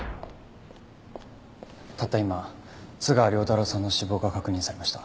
たった今津川亮太郎さんの死亡が確認されました。